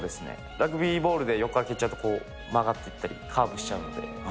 ラグビーボールって横から蹴っちゃうと、曲がっていったりカーブしちゃうんで。